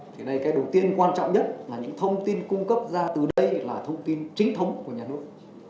thì đây cái đầu tiên quan trọng nhất là những thông tin cung cấp ra từ đây là thông tin chính thống của nhà nước